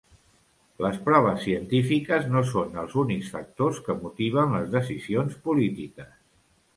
Les proves científiques no són els únics factors que motiven les decisions polítiques.